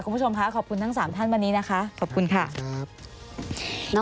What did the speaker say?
คุณผู้ชมค่ะขอบคุณทั้งสามท่านวันนี้นะคะขอบคุณค่ะครับ